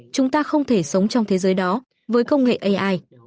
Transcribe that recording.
chúng ta không thể sống trong thế giới đó với công nghệ ai